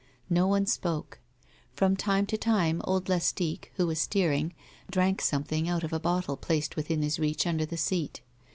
No one spoke. From time to time old Lastique, who was steering, drank some thing out of a bottle placed within his reach under the seat.